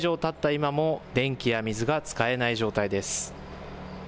今も電気や水が使えない状態です。